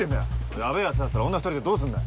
ヤベェヤツだったら女２人でどうすんだよ